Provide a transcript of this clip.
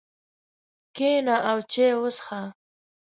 کښېنه او چای وڅښه.